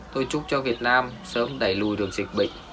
tôi chúc cho việt nam sớm đẩy lùi được dịch bệnh